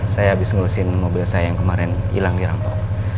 saya habis ngurusin mobil saya yang kemarin hilang di rampok